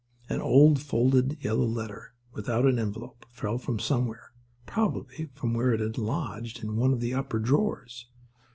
An old, folded yellow letter without an envelope fell from somewhere—probably from where it had lodged in one of the upper drawers.